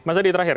mas adi terakhir